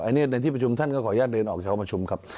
อันนี้ในที่ประชุมท่านก็ขออนุญาตเดินออกจากห้องประชุมครับ